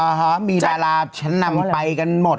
ฮะมีดาราชั้นนำไปกันหมด